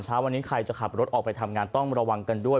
เช้าวันนี้ใครจะขับรถออกไปทำงานต้องระวังกันด้วย